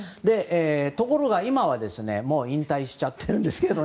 ところが今は引退しちゃってるんですけど。